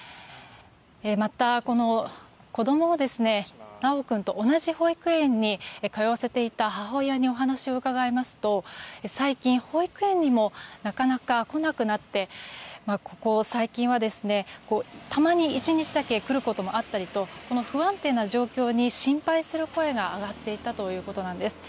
また、子供を修君と同じ保育園に通わせていた母親にお話を伺いますと最近、保育園にもなかなか来なくなってここ最近はたまに１日だけ来ることもあったりと不安定な状況に心配する声が上がっていたということです。